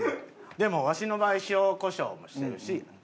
でもわしの場合塩こしょうもしてるし。